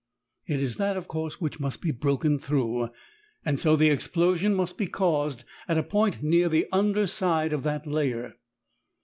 It is that, of course, which must be broken through, and so the explosion must be caused at a point near the under side of that layer.